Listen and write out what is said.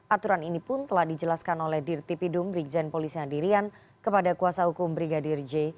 aturan ini pun telah dijelaskan oleh dirtipidum brigjen polisi andirian kepada kuasa hukum brigadir j